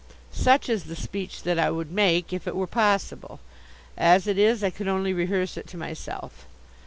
Such is the speech that I would make if it were possible. As it is, I can only rehearse it to myself.